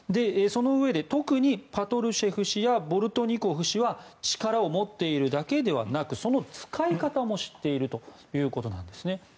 そのうえで特にパトルシェフ氏やボルトニコフ氏は力を持っているだけではなくその使い方も知っているということです。